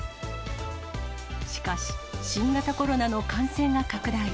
しかし、新型コロナの感染が拡大。